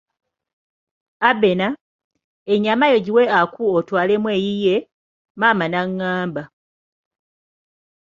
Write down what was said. Abena, ennyama yo giwe Aku otwalemu eyiye, maama n'amugamba.